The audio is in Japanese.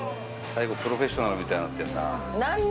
最後『プロフェッショナル』みたいになってるな。